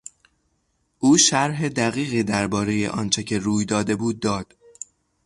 او شرح دقیقی دربارهی آنچه که روی داده بود داد.